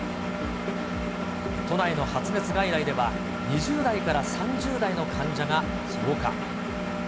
都内の発熱外来では、２０代から３０代の患者が増加。